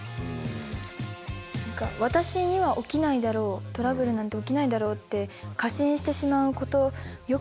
何か私には起きないだろうトラブルなんて起きないだろうって過信してしまうことよくあることなので。